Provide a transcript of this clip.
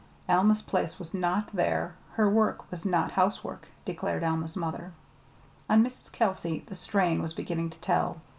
Alma's place was not there, her work was not housework, declared Alma's mother. On Mrs. Kelsey the strain was beginning to tell.